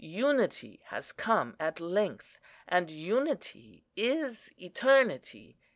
Unity has come at length, and unity is eternity.